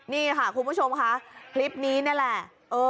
นี่ค่ะคุณผู้ชมค่ะคลิปนี้นี่แหละ